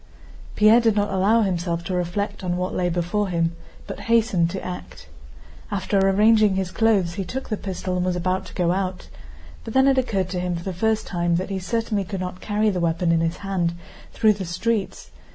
Pierre did not allow himself to reflect on what lay before him, but hastened to act. After arranging his clothes, he took the pistol and was about to go out. But it then occurred to him for the first time that he certainly could not carry the weapon in his hand through the streets.